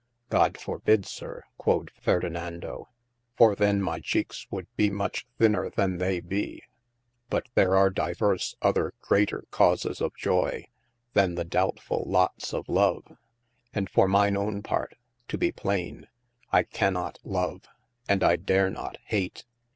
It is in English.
God forbid sir quod Ferdinando, for then my cheekes wold be much thinner tha they be : but there are divers other greater causes of joy, than the doubtful lots of love :& for mine own part, to be playn, I canot love, & I dare not hate.